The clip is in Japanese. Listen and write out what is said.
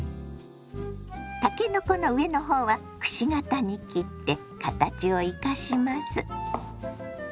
たけのこの上の方はくし形に切って形を生かします。